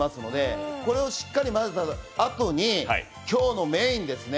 これをしっかり混ぜたあとに今日のメインですね